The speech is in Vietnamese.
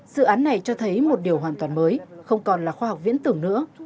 dự án này cho thấy một điều hoàn toàn mới không còn là khoa học viễn tưởng nữa